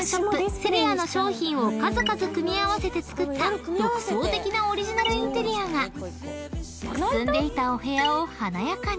Ｓｅｒｉａの商品を数々組み合わせて作った独創的なオリジナルインテリアがくすんでいたお部屋を華やかに］